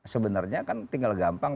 sebenarnya kan tinggal gampang